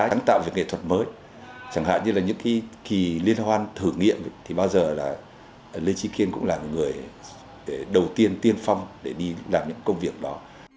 chẳng hạn như là những kỳ liên hoan thử nghiệm thì bao giờ là lê trí kiên cũng là người đầu tiên tiên phong để đi làm những công việc đó